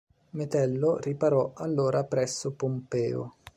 Metello riparò allora presso Pompeo.